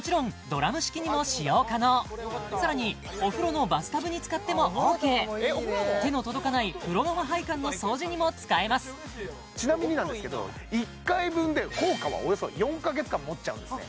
もちろんさらにお風呂のバスタブに使ってもＯＫ手の届かない風呂釜配管の掃除にも使えますちなみになんですけど１回分で効果はおよそ４か月間もっちゃうんですね